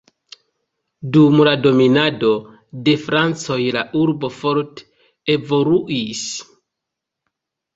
Dum dominado de francoj la urbo forte evoluis.